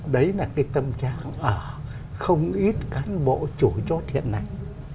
đấy là cái tâm trạng ở không ít cán bộ chủ chốt hiện nay